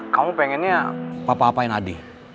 kamu pengennya papa apain adi